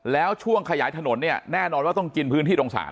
แล้วช่วงขยายถนนเนี่ยแน่นอนว่าต้องกินพื้นที่ตรงศาล